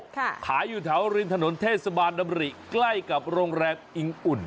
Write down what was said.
ขายอยู่แถวริมถนนเทศบาลดำริใกล้กับโรงแรมอิงอุ่น